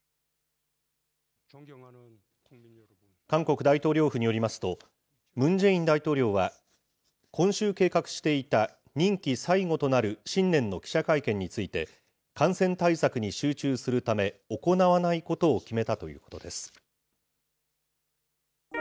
韓国大統領府によりますと、ムン・ジェイン大統領は、今週計画していた任期最後となる新年の記者会見について、感染対策に集中するため、行わないことを決めたということです。